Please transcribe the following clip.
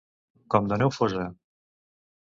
Com de neu fosa.